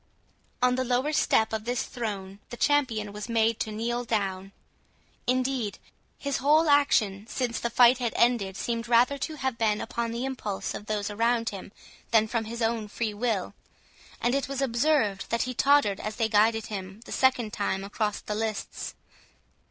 On the lower step of this throne the champion was made to kneel down. Indeed his whole action since the fight had ended, seemed rather to have been upon the impulse of those around him than from his own free will; and it was observed that he tottered as they guided him the second time across the lists.